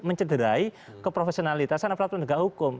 yang mencederai keprofesionalitasan aparat penegak hukum